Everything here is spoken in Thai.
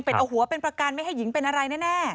เป็นเอาหัวเป็นประกันไม่ให้หญิงเป็นอะไรแน่